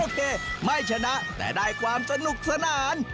ไม่ชนะแต่ได้ความสนุกสนาน